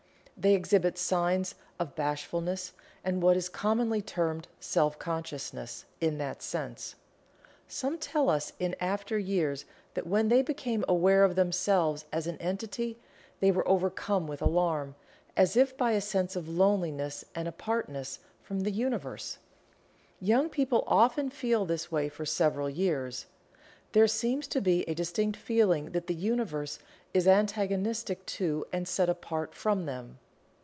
They exhibit signs of bashfulness and what is commonly termed "self consciousness" in that sense. Some tell us in after years that when they became aware of themselves as an entity they were overcome with alarm, as if by a sense of loneliness and apartness from the Universe. Young people often feel this way for several years. There seems to be a distinct feeling that the Universe is antagonistic to and set apart from them.